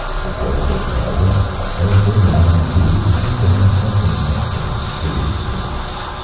His relatives, however, as they were mine, tooseemed to have something darkly mysterious against him.